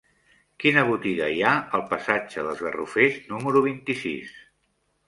Quina botiga hi ha al passatge dels Garrofers número vint-i-sis?